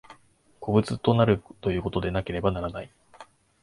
個物となるということでなければならない。